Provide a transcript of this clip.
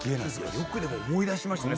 よく思い出しましたね。